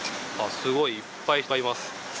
すごいいっぱい人がいます。